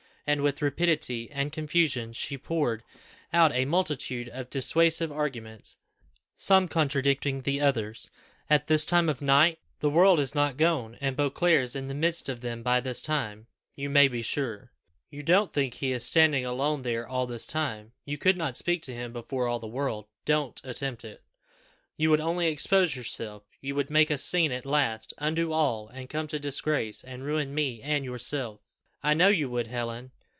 And with rapidity and confusion, she poured out a multitude of dissuasive arguments, some contradicting the others. "At this time of night! The world is not gone, and Beauclerc is in the midst of them by this time, you may be sure. You don't think he is standing alone there all this time. You could not speak to him before all the world don't attempt it. You would only expose yourself. You would make a scene at last undo all, and come to disgrace, and ruin me and yourself. I know you would, Helen.